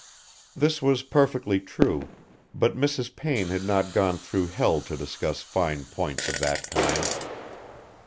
This was perfectly true, but Mrs. Payne had not gone through hell to discuss fine points of that kind.